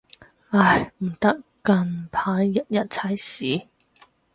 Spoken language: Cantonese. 唉，唔得，近排日日踩屎